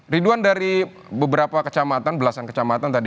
ridwan dari beberapa kecamatan belasan kecamatan tadi